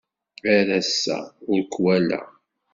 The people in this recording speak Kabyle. Ar ass-a ur k-walaɣ.